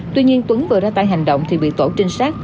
tuy nhiên tuấn vừa ra tay hành động thì bị tổ trinh sát